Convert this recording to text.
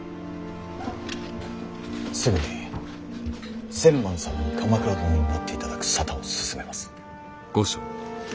すぐに千幡様に鎌倉殿になっていただく沙汰を進めます。